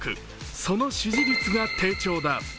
その支持率が低調だ。